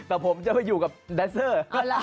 แต่ผมจะไปอยู่กับแดนเซอร์